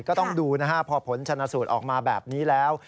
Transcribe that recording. ก็ต้องดูนะฮะพอผลชนะสูตรออกมาแบบนี้แล้ว